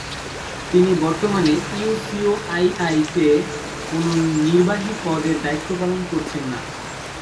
তিনি বর্তমানে ইউসিওআইআই-তে কোনও নির্বাহী পদের দায়িত্ব পালন করছেন না।